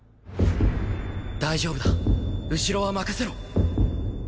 大丈夫だ後ろは任せろ。